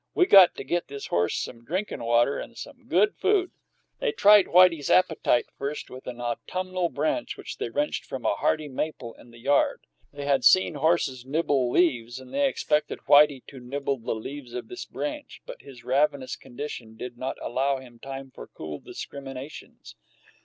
"We got to get this horse some drinkin' water and some good food." They tried Whitey's appetite first with an autumnal branch which they wrenched from a hardy maple in the yard. They had seen horses nibble leaves, and they expected Whitey to nibble the leaves of this branch, but his ravenous condition did not allow him time for cool discriminations.